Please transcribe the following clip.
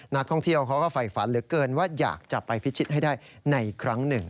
นักท่องเที่ยวเขาก็ไฟฝันเหลือเกินว่าอยากจะไปพิชิตให้ได้ในครั้งหนึ่ง